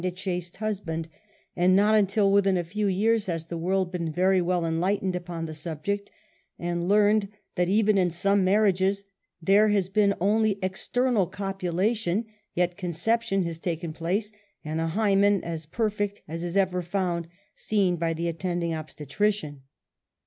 a chaste husband, and not until withhi a few years has the world been very well enlightened upon the subject, and learned that even in some marriages^ there has been only external copulation yet concep tion has taken place and a hymen as perfect as is ever found, seen by the attending obstetrician.